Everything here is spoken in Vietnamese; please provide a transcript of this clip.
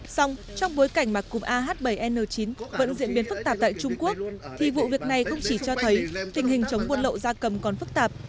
xong trong bối cảnh mà cụm ah bảy n chín vẫn diễn biến phức tạp tại trung quốc thì vụ việc này không chỉ cho thấy tình hình chống buôn lậu gia cầm còn phức tạp